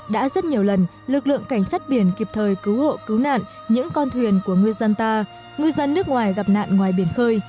đã rất nhiều lần lực lượng cảnh sát biển kịp thời cứu hộ cứu nạn những con thuyền của ngư dân ta ngư dân nước ngoài gặp nạn ngoài biển khơi